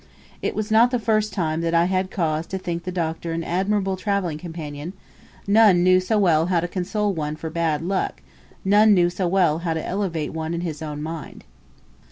It was not the first time that I had cause to think the Doctor an admirable travelling companion; none knew so well how to console one for bad luck none knew so well how to elevate one in his own mind.